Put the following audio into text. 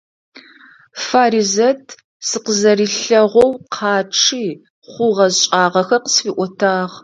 Фаризэт сыкъызэрилъэгъоу къачъи, хъугъэ-шӀагъэхэр къысфиӀотагъ.